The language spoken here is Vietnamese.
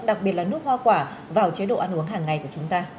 đặc biệt là nước hoa quả vào chế độ ăn uống hàng ngày của chúng ta